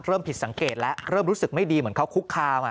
ผิดสังเกตแล้วเริ่มรู้สึกไม่ดีเหมือนเขาคุกคาม